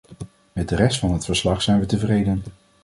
Met de rest van het verslag zijn we tevreden.